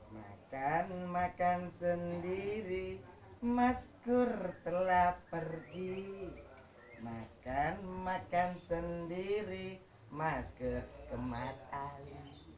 makan makan sendiri mas kur telah pergi makan makan sendiri masker kematan